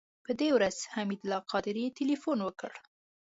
په دې ورځ حمید الله قادري تیلفون وکړ.